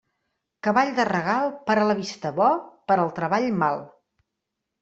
Cavall de regal, per a la vista bo, per al treball mal.